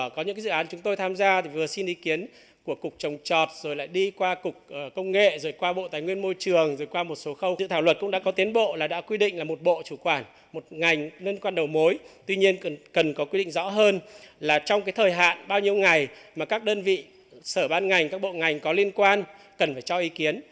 cần có quy định rõ hơn là trong cái thời hạn bao nhiêu ngày mà các đơn vị sở ban ngành các bộ ngành có liên quan cần phải cho ý kiến